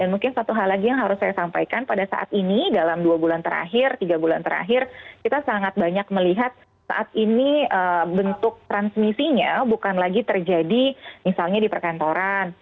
dan mungkin satu hal lagi yang harus saya sampaikan pada saat ini dalam dua bulan terakhir tiga bulan terakhir kita sangat banyak melihat saat ini bentuk transmisinya bukan lagi terjadi misalnya di perkantoran